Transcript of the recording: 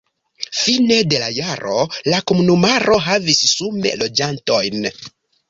Fine de la jaro la komunumaro havis sume loĝantojn.